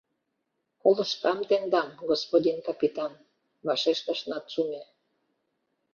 — Колыштам тендам, господин капитан, — вашештыш Нацуме.